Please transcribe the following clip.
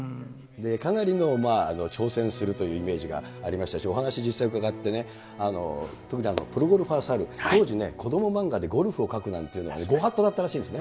かなりの挑戦するというイメージがありましたし、お話、実際伺ってね、特にプロゴルファー猿、当時ね、こども漫画でゴルフを描くなんていうのは、なるほど。